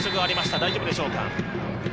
大丈夫でしょうか。